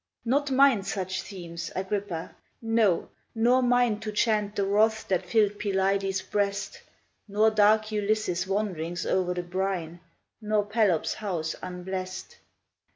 Not mine such themes, Agrippa; no, nor mine To chant the wrath that fill'd Pelides' breast, Nor dark Ulysses' wanderings o'er the brine, Nor Pelops' house unblest.